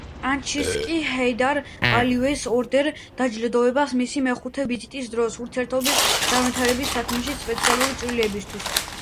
კაჩინსკი ჰეიდარ ალიევის ორდენით დააჯილდოვეს მისი მეხუთე ვიზიტის დროს, ურთიერთობების განვითარების საქმეში სპეციალური წვლილისთვის.